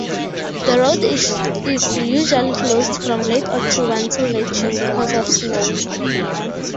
The road is usually closed from late October until late June because of snow.